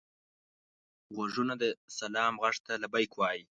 غوږونه د سلام غږ ته لبیک وايي